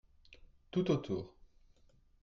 tout autour.